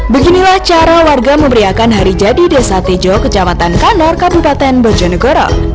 beginilah cara warga memberiakan hari jadi desa tejo kecamatan kanor kabupaten bojonegoro